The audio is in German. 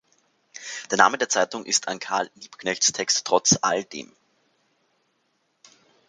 Der Name der Zeitung ist an Karl Liebknechts Text "Trotz Alledem!